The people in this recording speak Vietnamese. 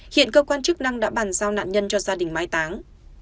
hiện cơ quan chức năng đã bàn giao nạn nhân cho gia đình mai táng